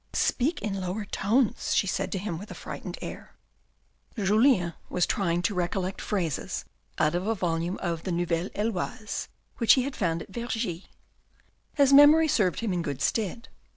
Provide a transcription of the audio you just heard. " Speak in lower tones," she said to him with a frightened air. Julien was trying to recollect phrases out of a volume of the Nouvelle Heloise which he had found at Vergy. His memory served him in good stead.